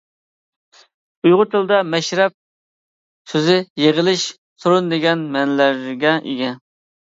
ئۇيغۇر تىلىدا «مەشرەپ» سۆزى «يىغىلىش» ، «سورۇن» دېگەن مەنىلەرگە ئىگە.